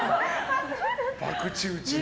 ばくち打ちだ。